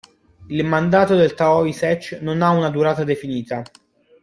Il mandato del Taoiseach non ha una durata definita.